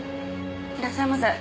いらっしゃいませ。